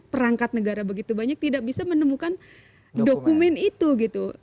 perangkat negara begitu banyak tidak bisa menemukan dokumen itu gitu